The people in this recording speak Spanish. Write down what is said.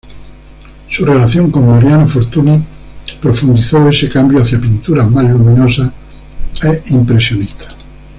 Su relación con Mariano Fortuny profundizó ese cambio hacia pinturas más luminosas e impresionistas.